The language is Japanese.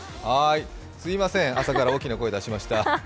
すいません、朝から大きな声、出しました。